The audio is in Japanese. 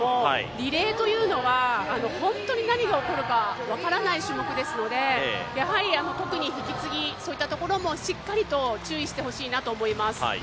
リレーというのは本当に何が起こるか分からない種目ですのでやはり、特に引き継ぎそういったところも注意してほしいと思います。